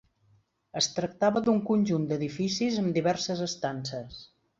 Es tractava d'un conjunt d'edificis amb diverses estances.